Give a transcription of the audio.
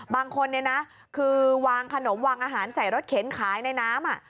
บางคนเนี่ยนะคือวางขนมวางอาหารใส่รถเข็นขายในน้ำ